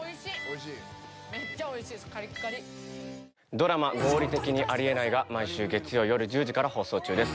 ドラマ「合理的にあり得ない」が毎週月曜よる１０時から放送中です。